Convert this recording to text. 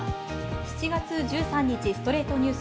７月１３日、火曜日の『ストレイトニュース』。